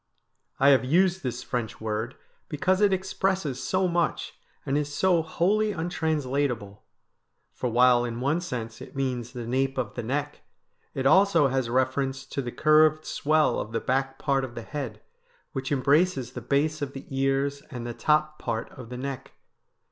I have used this French word because it expresses so much, and is so wholly untranslatable ; for while in one sense it means the nape of the neck, it also has reference to the curved swell of the back part of the head, which embraces the base of the ears and the top part of the neck.